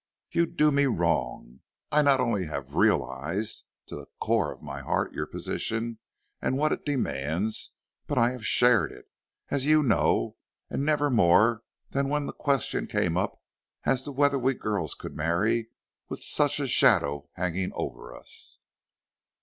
"You do me wrong; I not only have realized, to the core of my heart, your position and what it demands, but I have shared it, as you know, and never more than when the question came up as to whether we girls could marry with such a shadow hanging over us."